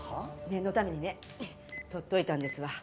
念のためにね撮っといたんですわ。